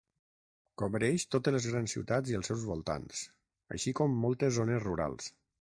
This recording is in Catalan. Cobreix totes les grans ciutats i els seus voltants, així com moltes zones rurals.